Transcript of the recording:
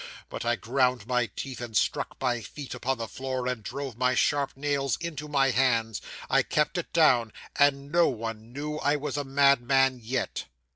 But I ground my teeth, and struck my feet upon the floor, and drove my sharp nails into my hands. I kept it down; and no one knew I was a madman yet.